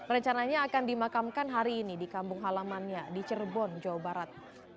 rencananya akan dimakamkan hari ini di kampung halamannya di cirebon jawa barat